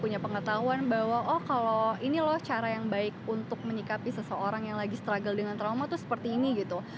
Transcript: punya pengetahuan bahwa oh kalau ini loh cara yang baik untuk menyikapi seseorang yang lagi struggle dengan trauma tuh seperti ini gitu